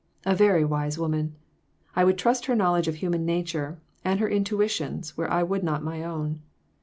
"A very wise woman. I would trust her knowledge of human nature, and her intuitions, where I would not my own."